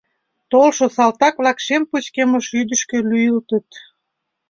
Толшо салтак-влак шем пычкемыш йӱдышкӧ лӱйылтыт.